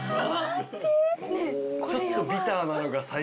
ちょっと。